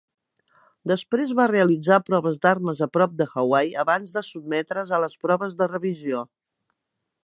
Després va realitzar proves d'armes a prop de Hawai abans de sotmetre's a les proves de revisió.